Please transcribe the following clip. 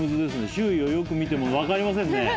周囲をよく見ても分かりませんね。